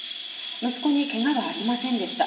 息子にけがはありませんでした。